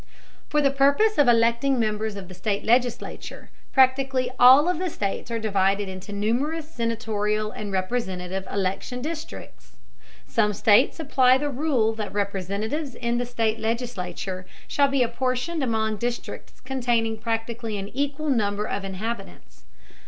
For the purpose of electing members of the state legislature, practically all of the states are divided into numerous senatorial and representative election districts. Some states apply the rule that representatives in the state legislature shall be apportioned among districts containing practically an equal number of inhabitants.